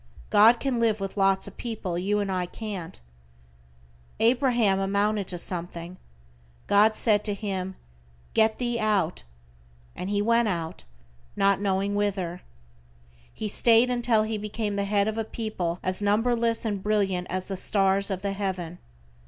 God can live with lots of people you and I can't. Abraham amounted to something, God said to him: "Get thee out." "And he went out, not knowing whither." He staid until he became the head of a people as numberless and brilliant as the stars of the heaven.